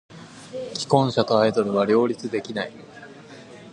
既婚者とアイドルは両立できない。